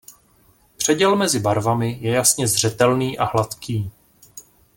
Předěl mezi barvami je jasně zřetelný a hladký.